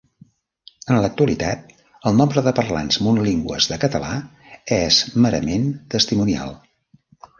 En l'actualitat, el nombre de parlants monolingües de català és merament testimonial.